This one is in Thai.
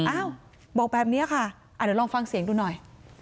อ้าวบอกแบบนี้ค่ะเดี๋ยวลองฟังเสียงดูหน่อย